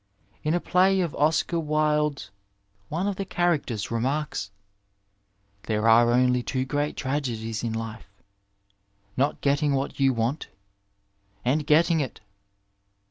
In a play of Oscar Wilde's one of the^ chastecters remarks^ there are only two great tragedies in life, not getting what you want — and getting it